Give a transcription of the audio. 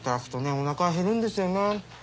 お腹は減るんですよね。